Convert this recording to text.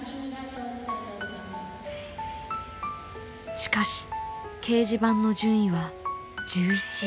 しかし掲示板の順位は１１位。